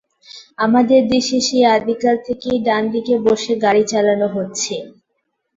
আমাদের দেশে সেই আদিকাল থেকেই ডান দিকে বসে গাড়ি চালানো হচ্ছে।